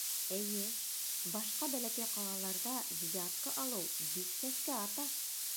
Эйе, башҡа бәләкәй ҡалаларҙа взятка алыу бик сәскә ата!